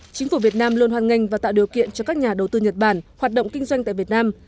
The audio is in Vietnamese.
chính phủ việt nam luôn hoàn nganh và tạo điều kiện cho các nhà đầu tư nhật bản hoạt động kinh doanh tại việt nam